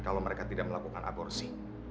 kalau mereka tidak melakukan aborsi